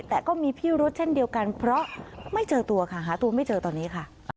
แต่ก็มีพิรุษเช่นเดียวกันเพราะไม่เจอตัวค่ะหาตัวไม่เจอตอนนี้ค่ะ